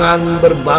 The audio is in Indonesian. kau paham kan